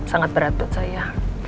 ya ini sangat berat sangat berat buat saya